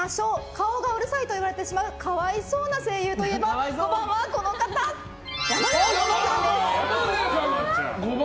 顔がうるさいと言われてしまうかわいそうな声優といえば５番はこの方、山寺さんです。